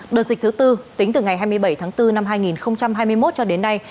đợt dịch thứ tư tính từ ngày hai mươi bảy tháng bốn năm hai nghìn hai mươi một cho đến nay